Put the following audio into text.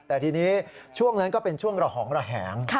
แต่ทีนี้ช่วงนั้นก็เป็นช่วงระหองระแหง